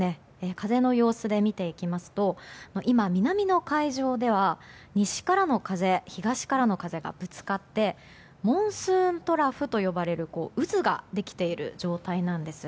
風の様子で見ていきますと今、南の海上では西からの風東からの風がぶつかってモンスーントラフと呼ばれる渦ができている状態なんです。